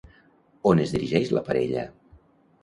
On es dirigeix la parella?